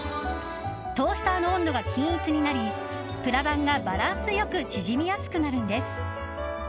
トースターの温度が均一になりプラバンがバランスよく縮みやすくなるんです。